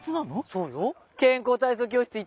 そうよ。